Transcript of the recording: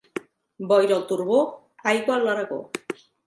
Boira al Turbó, aigua a l'Aragó.